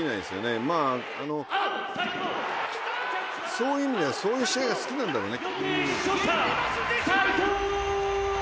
「そういう意味ではそういう試合が好きなんだろうね」